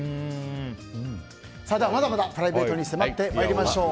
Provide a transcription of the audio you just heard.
まだまだプライベートに迫って参りましょう。